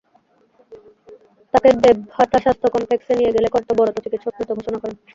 তাঁকে দেবহাটা স্বাস্থ্য কমপ্লেক্সে নিয়ে গেলে কর্তব্যরত চিকিৎসক মৃত ঘোষণা করেন।